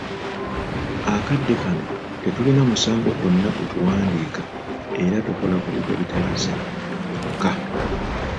Akadde kano tetulina musango gwonna gwe tuwandiika era tukola ku bigwa bitalaze byokka.